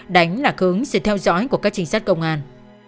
đánh là khướng sự theo dõi của các chính sách công an